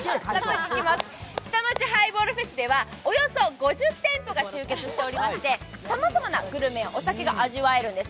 下町ハイボールフェスではおよそ５０店舗が集結していましてさまざまなグルメやお酒が味わえるんです。